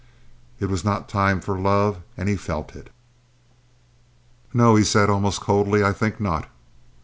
It was not time for love, and he felt it. "No," he said, almost coldly, "I think not."